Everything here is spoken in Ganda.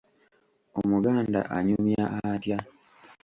Omuganda anyumya atya?